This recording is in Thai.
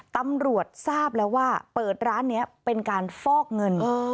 ตำรวจทราบแล้วว่าเปิดร้านนี้เป็นการฟอกเงิน